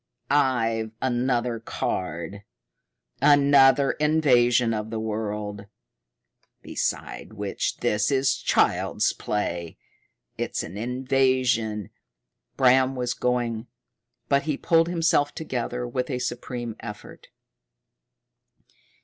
I've another card another invasion of the world beside which this is child's play. It's an invasion " Bram was going, but he pulled himself together with a supreme effort.